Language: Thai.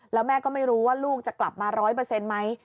แล้วแม่ก็ไม่รู้ว่าลูกจะกลับมาร้อยเปอร์เซ็นต์ไหม